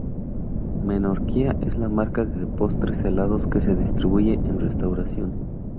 Menorquina es la marca de postres helados que se distribuye en restauración.